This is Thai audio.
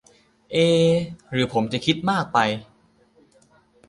เอ หรือผมจะคิดมากไป